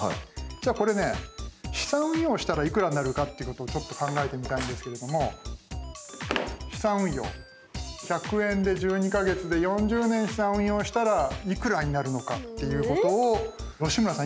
じゃあこれね資産運用したらいくらになるかっていうことをちょっと考えてみたいんですけれども資産運用１００円で１２か月で４０年資産運用したらいくらになるのかっていうことを吉村さん